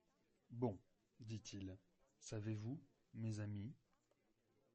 Bon! dit-il, savez-vous, mes amis